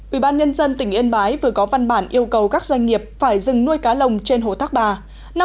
ủy ban nhân dân tỉnh yên bái vừa có văn bản yêu cầu các doanh nghiệp phải dừng nuôi cá lồng trên hồ thác bà